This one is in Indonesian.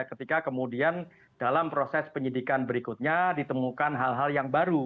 ketika kemudian dalam proses penyidikan berikutnya ditemukan hal hal yang baru